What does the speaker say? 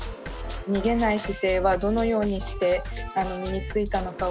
逃げない姿勢はどのようにして身についたのかを。